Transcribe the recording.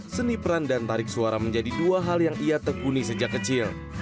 seni peran dan tarik suara menjadi dua hal yang ia tekuni sejak kecil